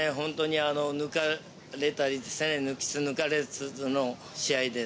抜かれたり、抜きつ抜かれつの試合でね。